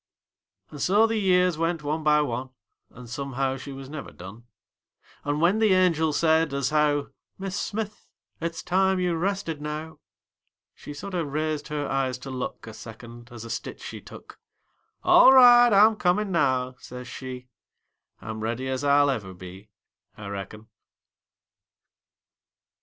And so the years went one by one, An' somehow she was never done; An' when the angel said, as how "Mis' Smith, it's time you rested now," She sorter raised her eyes to look A second, as a stitch she took; "All right, I'm comin' now," says she, "I'm ready as I'll ever be, I reckon."